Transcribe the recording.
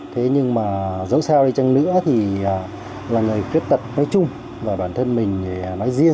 thế nhưng mà dẫu sao đi chăng nữa thì là người khuyết tật nói chung và bản thân mình nói riêng